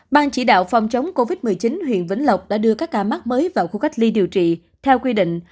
ban chỉ đạo phòng chống covid một mươi chín huyện vĩnh lộc đã đưa các ca mắc mới vào khu cách ly điều trị theo quy định